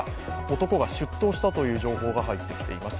男が出頭したという情報が入ってきています。